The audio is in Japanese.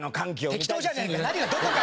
適当じゃねえか！